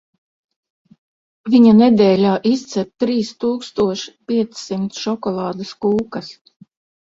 Viņa nedēļā izcep trīs tūkstoš piecsimt šokolādes kūkas.